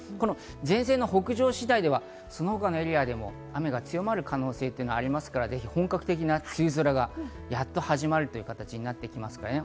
前線の北上次第ではその他のエリアでも雨が強まる可能性がありますから、ぜひ本格的な梅雨空がやっと始まるという形になってきますね。